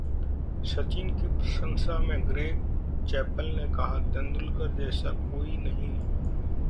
सचिन की प्रशंसा में ग्रेग चैपल ने कहा- तेंदुलकर जैसा कोई नहीं